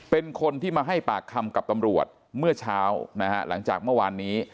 เป็นคนที่มาให้ปากคำกับตำรวจเมื่อเช้านะฮะหลังจากเมื่อวานนี้